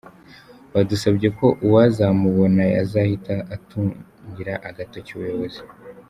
Badusabye ko uwazamubona yazahita atungira agatoki ubuyobozi.